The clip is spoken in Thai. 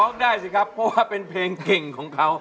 ได้สิครับเพราะว่าเป็นเพลงเก่งของเขา